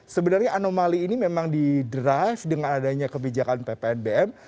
sebenarnya anomali ini memang didrive dengan adanya kebijakan ppnbm